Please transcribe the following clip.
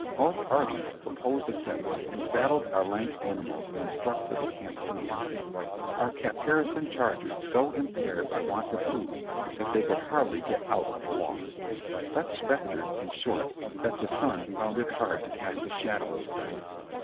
Our party, composed of seven, saddled our lank animals and struck for the camp of the enemy, our caparisoned chargers so impaired by want of food that they could hardly get out of a walk ; such spectres, in short, that the sun found it hard to cast a shadow with them.